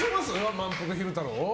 まんぷく昼太郎。